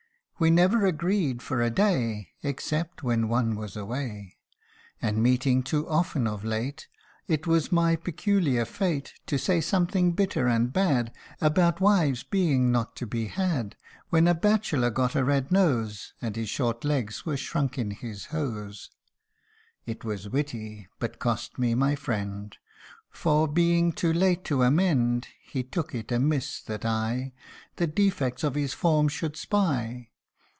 We never agreed for a day, Except when one was away. And meeting too often of late, It was my peculiar fate To say something bitter and bad About wives being not to be had, When a batchelor got a red nose, And his short legs were shrunk in his hose p 226 DESCRIPTION OF A LOST FRIEND. It was witty ; but cost me my friend : For, being too late to amend, He took it amiss that 7 The defects of his form should spy.